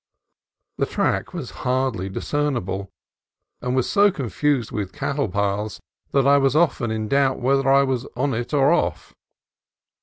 The track was hardly discernible, and was so confused with cattle paths that I was often in doubt whether I was on it or off.